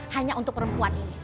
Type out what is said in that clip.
hanya untuk perempuan ini